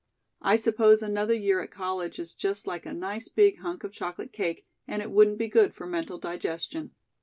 "I suppose another year at college is just like a nice big hunk of chocolate cake and it wouldn't be good for mental digestion.